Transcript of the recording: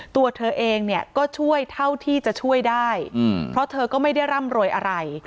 ตัวเธอเองเนี่ยก็ช่วยเท่าที่จะช่วยได้เพราะเธอก็ไม่ได้ร่ำรวยอะไร